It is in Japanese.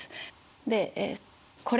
でこれ。